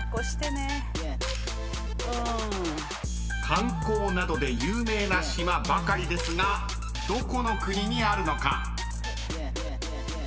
［観光などで有名な島ばかりですがどこの国にあるのか］